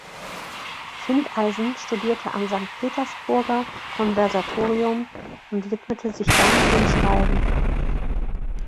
Findeisen studierte am Sankt Petersburger Konservatorium und widmete sich dann dem Schreiben.